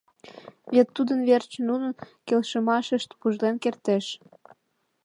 Вет тудын верч нунын келшымашышт пужлен кертеш.